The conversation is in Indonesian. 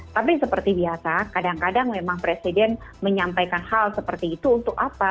tapi seperti biasa kadang kadang memang presiden menyampaikan hal seperti itu untuk apa